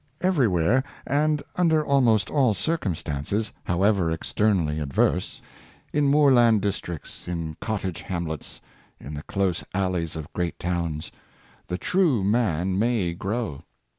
Every where, and under almost all circumstances, however externally adverse — in moorland districts, in cottage hamlets, in the close alleys of great towns — the true man may grow.